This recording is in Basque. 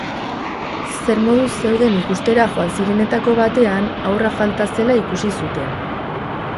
Zer moduz zeuden ikustera joan zirenetako batean, haurra falta zela ikusi zuten.